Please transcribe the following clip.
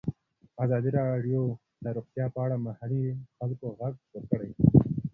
ازادي راډیو د روغتیا په اړه د محلي خلکو غږ خپور کړی.